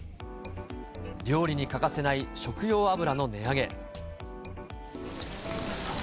料理に欠かせない食用油の値上げ。